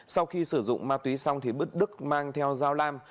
sau khi sử dụng ma túy xong thì bức đức mang theo giao lam